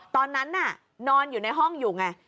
ตอนนั้นน่ะนอนอยู่ในห้องอยู่ไง